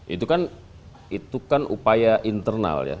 itu kan upaya internal ya